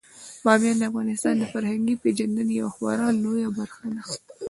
بامیان د افغانانو د فرهنګي پیژندنې یوه خورا لویه برخه ده.